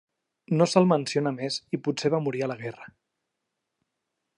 No se'l menciona més i potser va morir a la guerra.